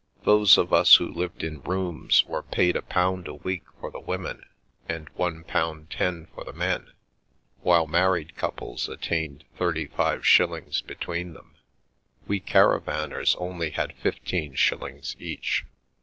Those of us who lived in rooms were paid a pound a week each for the women, and one pound ten for the men, while married couples attained thirty five shillings between them. We caravanners only had fifteen shillings each.